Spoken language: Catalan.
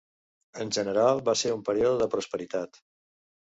En general va ser un període de prosperitat.